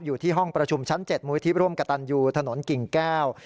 อยู่ที่ห้องประชุมชั้น๗มุยที่ร่วมกระตันยูถนนกิ่งแก้ว